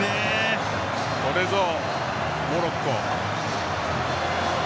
これぞ、モロッコ。